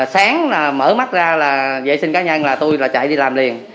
sáng mở mắt ra là vệ sinh cá nhân là tôi chạy đi làm liền